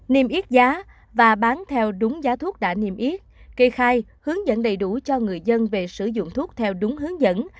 niêm yết giá và bán theo đúng giá thuốc đã niêm yết kê khai hướng dẫn đầy đủ cho người dân về sử dụng thuốc theo đúng hướng dẫn